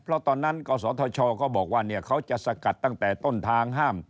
เพราะตอนนั้นกศธชก็บอกว่าเขาจะสกัดตั้งแต่ต้นทางห้าม